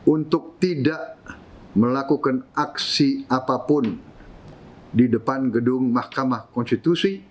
untuk tidak melakukan aksi apapun di depan gedung mahkamah konstitusi